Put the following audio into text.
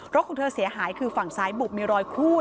ของเธอเสียหายคือฝั่งซ้ายบุบมีรอยครูด